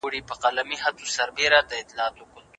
ماشوم په چټکۍ سره روان و.